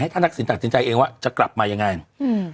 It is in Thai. ท่านทักษิณตัดสินใจเองว่าจะกลับมายังไงอืม